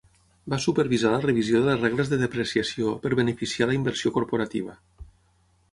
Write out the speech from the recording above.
Va supervisar la revisió de les regles de depreciació per beneficiar la inversió corporativa.